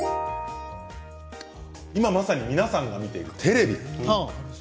今まさに皆さんが見ているテレビ